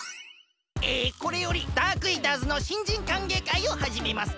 えこれよりダークイーターズの新人歓迎会をはじめます。